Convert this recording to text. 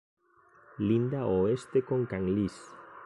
Linda ao oeste con Canlís.